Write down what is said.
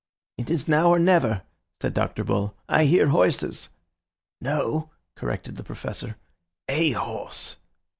"It is now or never," said Dr. Bull. "I hear horses." "No," corrected the Professor, "a horse."